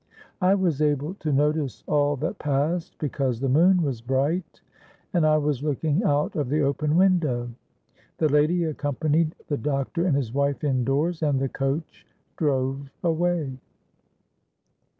I was able to notice all that passed, because the moon was bright and I was looking out of the open window. The lady accompanied the doctor and his wife in doors; and the coach drove away.